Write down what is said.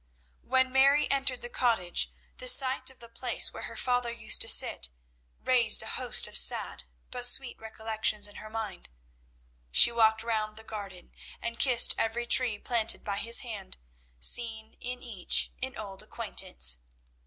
'" When Mary entered the cottage, the sight of the place where her father used to sit raised a host of sad but sweet recollections in her mind. She walked round the garden and kissed every tree planted by his hand, seeing in each an old acquaintance.